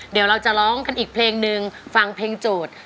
เดี๋ยวเราจะร้องกันอีกเพลงนึงฟังเพลงโจทย์